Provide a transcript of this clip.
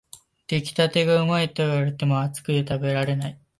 出来たてがうまいと言われても、熱くて食べられない